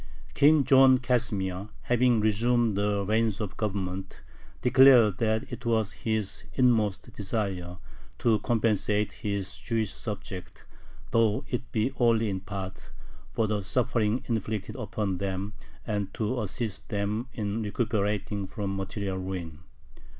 King John Casimir, having resumed the reins of government, declared that it was his inmost desire to compensate his Jewish subjects, though it be only in part, for the sufferings inflicted upon them and to assist them in recuperating from material ruin.